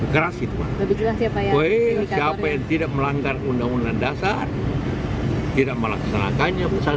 kita tidak boleh yang tidak melaksanakan